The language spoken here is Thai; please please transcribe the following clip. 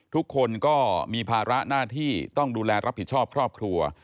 ทุกคนก็มีภาระหน้าที่ต้องดูแลรับผิดชอบครอบครัว